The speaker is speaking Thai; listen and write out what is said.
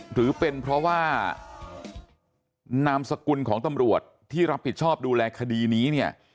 หรือเป็นเพราะว่านามสกุลของตำรวจที่รับผิดชอบดูแลคดีนี้เนี่ย